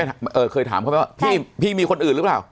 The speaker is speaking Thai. เคยถามเขาไหมว่าพี่มีคนอื่นหรือเปล่า